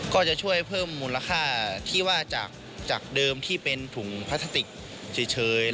ก็จะช่วยเพิ่มมูลค่าที่ว่าจากเดิมที่เป็นถุงพลาสติกเฉย